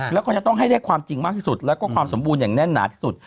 แล้วก็จะต้องให้ได้ความจริงมากที่สุดแล้วก็ความสมบูรณ์อย่างแน่นหนาที่สุด